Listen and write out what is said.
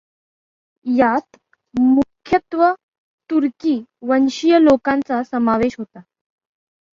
यात मुख्यत्वे तुर्की वंशीय लोकांचा समावेश होता.